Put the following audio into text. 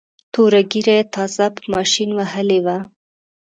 توره ږیره یې تازه په ماشین وهلې وه.